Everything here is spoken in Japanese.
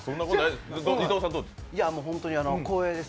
本当に光栄です。